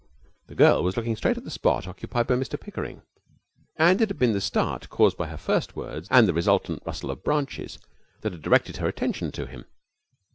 The girl was looking straight at the spot occupied by Mr Pickering, and it had been the start caused by her first words and the resultant rustle of branches that had directed her attention to him.